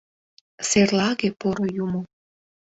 Серлаге, поро юмо —